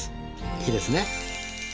いいですね。